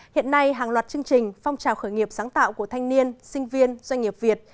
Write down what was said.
hiện nay hàng loạt chương trình phong trào khởi nghiệp sáng tạo của thanh niên sinh viên doanh nghiệp việt